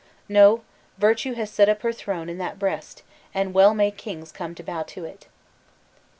No, virtue has set up her throne in that breast, and well may kings come to bow to it!"